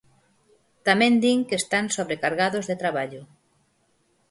Tamén din que están sobrecargados de traballo.